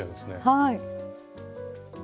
はい。